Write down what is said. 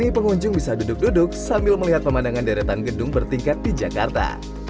kini pengunjung bisa duduk duduk sambil melihat pemandangan deretan gedung bertingkat di jakarta